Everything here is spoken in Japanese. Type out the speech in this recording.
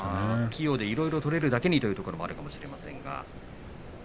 器用でいろいろ取れるだけに、というところもあるかもしれません。